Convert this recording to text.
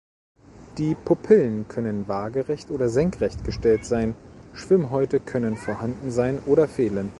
Die Pupillen können waagerecht oder senkrecht gestellt sein; Schwimmhäute können vorhanden sein oder fehlen.